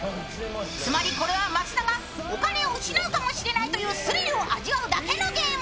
つまり、これは益田がお金を失うかもしれないというスリルを味わうだけのゲーム。